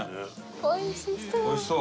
おいしそう！